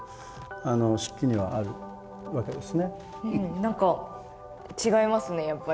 何か違いますねやっぱり。